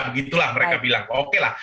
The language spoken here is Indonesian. begitulah mereka bilang oke lah